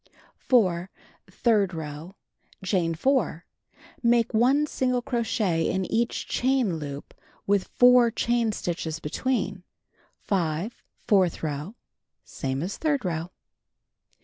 4. Third row: Chain 4. Make 1 single crochet in each chain loop with 4 chain stitches between. 5. Fourth row : Same as third row.